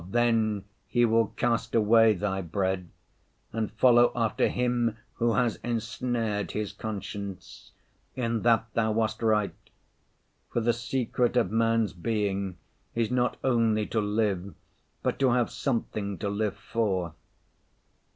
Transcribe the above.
then he will cast away Thy bread and follow after him who has ensnared his conscience. In that Thou wast right. For the secret of man's being is not only to live but to have something to live for.